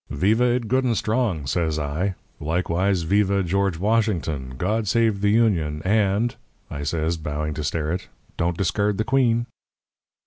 "'Viva it good and strong,' says I. 'Likewise, viva George Washington. God save the Union, and,' I says, bowing to Sterrett, 'don't discard the Queen.'